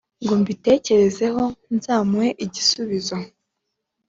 ngo mbitekerezeho nzamuhe igisubizo"